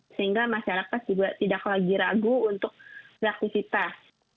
sehingga masyarakat juga tidak lagi ragu untuk beraktivitas